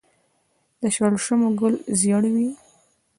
د شړشمو ګل ژیړ وي.